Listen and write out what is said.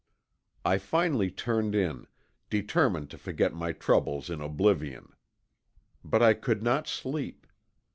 I finally turned in, determined to forget my troubles in oblivion. But I could not sleep.